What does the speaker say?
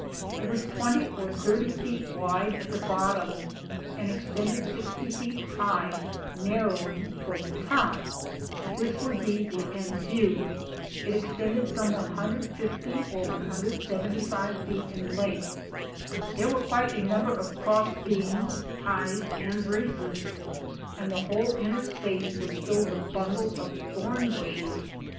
It was 20 or 80 feet wide at the bottom, and extended 60 feet high narrowing toward the top. This would be the end view. It extended some 150 or 175 feet in length. There were quite a number of cross beams, ties and braces and the whole inner space was filled with bundles of thorn bushes.